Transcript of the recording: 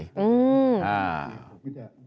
แล้วคุณพิทามั่นใจเสียงสอวตอนนี้ขนาดไหน